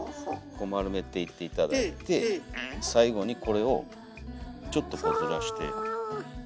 こう丸めていって頂いて最後にこれをちょっとこうずらして。